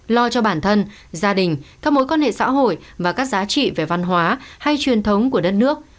lo cho bản thân gia đình các mối quan hệ xã hội và các giá trị về văn hóa hay truyền thống của đất nước